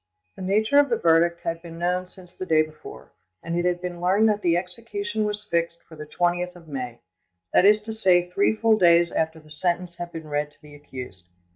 The nature of the verdict had been known since the day before, and it had been learned that the execution was fixed for the 20th of May—that is to say, three full days after the sentence had been read to the accused.